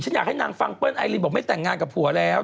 อยากให้นางฟังเปิ้ลไอลินบอกไม่แต่งงานกับผัวแล้ว